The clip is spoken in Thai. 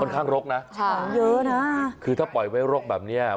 ค่อนข้างลกนะใช่ลกเยอะนะคือถ้าปล่อยไว้ลกแบบเนี้ย